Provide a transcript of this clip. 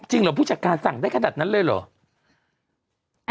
เหรอผู้จัดการสั่งได้ขนาดนั้นเลยเหรอ